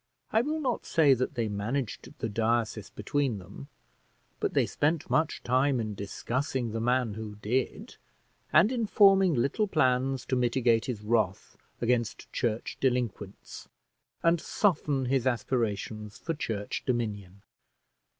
I will not say that they managed the diocese between them, but they spent much time in discussing the man who did, and in forming little plans to mitigate his wrath against church delinquents, and soften his aspirations for church dominion.